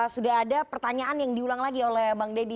sudah ada pertanyaan yang diulang lagi oleh bang deddy